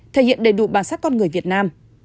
thể hiện đầy đủ bản sắc con người việt nam